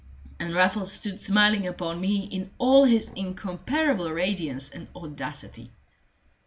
And Raffles stood smiling upon me in all his incomparable radiance and audacity.